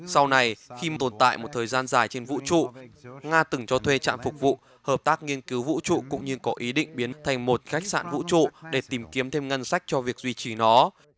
sau này khi tồn tại một thời gian dài trên vũ trụ nga từng cho thuê trạm phục vụ hợp tác nghiên cứu vũ trụ cũng như có ý định biến thành một khách sạn vũ trụ để tìm kiếm thêm ngân sách cho việc duy trì nó